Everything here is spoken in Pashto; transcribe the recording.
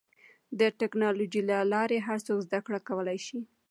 د ټکنالوجۍ له لارې هر څوک زدهکړه کولی شي.